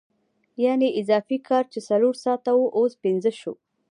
یانې اضافي کار چې څلور ساعته وو اوس پنځه شو